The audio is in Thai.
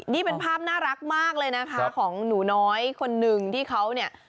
นี่เป็นภาพน่ารักมากเลยนะคะของหนูน้อยคนหนึ่งที่เขาเนี่ย